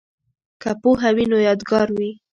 که پوهه وي نو یادګار وي.